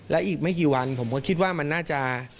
และอีกไม่กี่วันผมก็คิดว่ามันน่าจะ